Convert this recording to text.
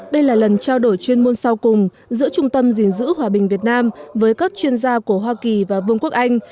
đây là lần trao đổi chuyên môn sau cùng giữa trung tâm gìn giữ hòa bình việt nam với các chuyên gia của hoa kỳ và vương quốc anh